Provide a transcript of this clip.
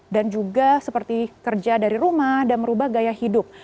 dan juga seperti kerja dari rumah dan merubah gaya hidup